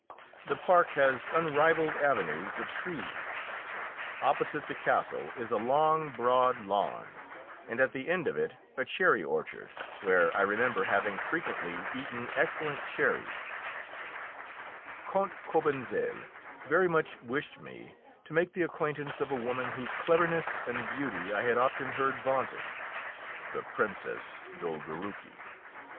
The park has unrivalled avenues of trees. Opposite the castle is a long, broad lawn, and at the end of it a cherry orchard, where I remember having frequently eaten excellent cherries. [Illustration: THE PRINCESS DE TALLEYRAND.] Count Cobentzel very much wished me to make the acquaintance of a woman whose cleverness and beauty I had often heard vaunted the Princess Dolgoruki.